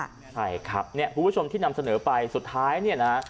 ใช่ครับเนี่ยคุณผู้ชมที่นำเสนอไปสุดท้ายเนี่ยนะ